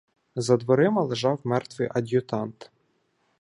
За дверима лежав мертвий ад'ютант.